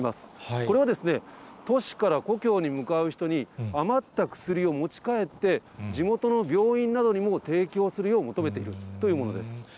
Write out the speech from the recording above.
これは都市から故郷に向かう人に、余った薬を持ち帰って、地元の病院などにも提供するよう求めているというものです。